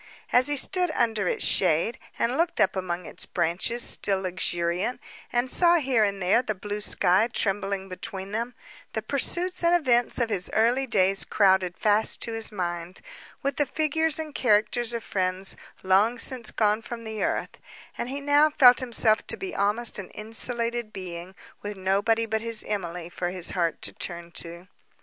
As he stood under its shade, and looked up among its branches, still luxuriant, and saw here and there the blue sky trembling between them; the pursuits and events of his early days crowded fast to his mind, with the figures and characters of friends—long since gone from the earth; and he now felt himself to be almost an insulated being, with nobody but his Emily for his heart to turn to.